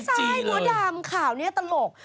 ไม่ใช่หัวดำข่าวนี้ตลก